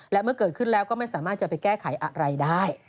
และเมื่อเกิดขึ้นแล้วก็ไม่สามารถจะไปแก้ไขอะไรได้